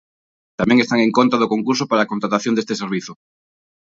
Tamén están en contra do concurso para a contratación deste servizo.